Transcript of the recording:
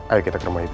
ayo kita ke rumah ibu